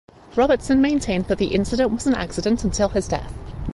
Robertson maintained that the incident was an accident until his death.